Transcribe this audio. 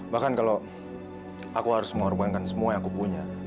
bahkan kalau aku harus mengorbankan semua yang aku punya